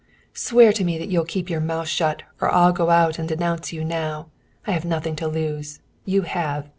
"Swear to me that you'll keep your mouth shut or I'll go out and denounce you now. I have nothing to lose. You have.